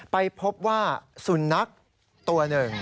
ไปพบว่าสุนัขตัวหนึ่ง